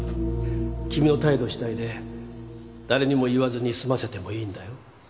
君の態度次第で誰にも言わずに済ませてもいいんだよ。